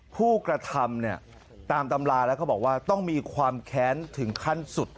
ผู้กระทำเนี่ยตามตำราแล้วเขาบอกว่าต้องมีความแค้นถึงขั้นสุด